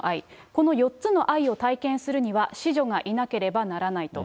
この４つの愛を体験するには、子女がいなければならないと。